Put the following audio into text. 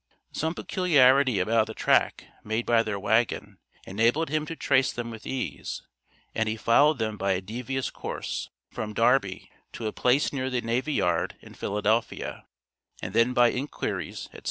Some peculiarity about the track made by their wagon, enabled him to trace them with ease, and he followed them by a devious course, from Darby, to a place near the Navy Yard, in Philadelphia, and then by inquiries, etc.